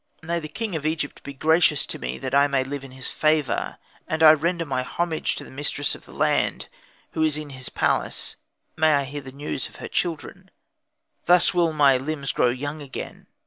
"May the king of Egypt be gracious to me that I may live of his favour. And I render my homage to the mistress of the land, who is in his palace; may I hear the news of her children. Thus will my limbs grow young again.